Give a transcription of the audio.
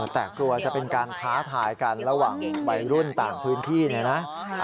แต่กลัวจะเป็นการท้าทายกันระหว่างวัยรุ่นต่างพื้นที่เนี่ยนะ